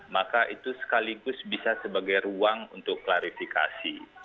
maka itu sekaligus bisa sebagai ruang untuk klarifikasi